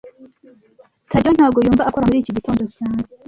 Tadeyo ntago yumva akora muri iki gitondo cyane